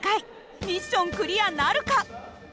ミッションクリアなるか？